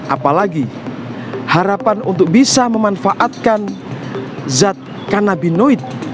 apalagi harapan untuk bisa memanfaatkan zat kanabinoid